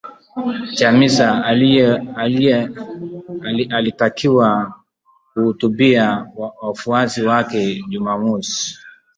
Chamisa alitakiwa kuhutubia wafuasi wake Jumamosi